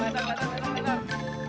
rendang rendang rendang